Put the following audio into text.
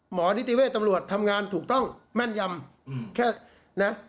หมอนิติเวทร์ตำรวจทำงานถูกต้องแม่นยำ